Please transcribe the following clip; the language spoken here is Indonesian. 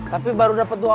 tapi baru dapat dua orang